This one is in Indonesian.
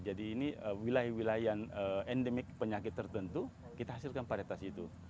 jadi ini wilayah wilayah endemik penyakit tertentu kita hasilkan paritas itu